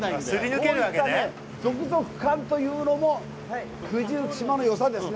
ゾクゾク感というのも九十九島のよさですね。